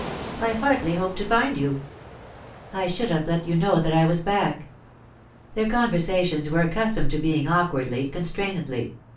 "I hardly hoped to find you." "I should have let you know that I was back." Their conversations were accustomed to begin awkwardly, constrainedly.